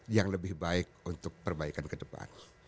yang lebih baik untuk perbaikan kedepan